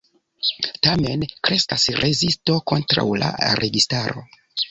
Tamen kreskas rezisto kontraŭ la registaro.